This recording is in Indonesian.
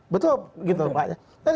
betul gitu pak ya